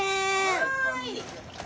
・はい。